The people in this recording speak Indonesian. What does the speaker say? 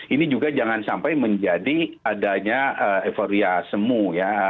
ini juga jangan sampai menjadi adanya euforia semu ya